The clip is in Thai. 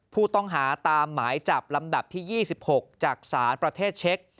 ผู้ต้องหาตามหมายจับลำดับที่๒๖จากศาลประเทศเช็ค